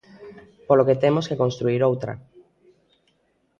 Polo que temos que construír outra.